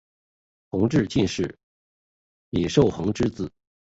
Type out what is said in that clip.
同治进士尹寿衡之子。